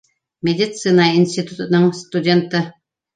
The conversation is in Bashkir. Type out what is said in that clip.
Медицина институтының студенты